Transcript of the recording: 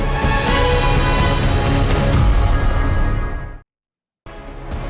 iyoi siap orang yang terhormat